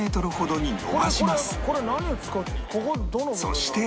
そして